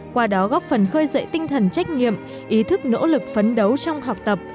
qua đó góp phần khơi dậy tinh thần trách nhiệm ý thức nỗ lực phấn đấu trong học tập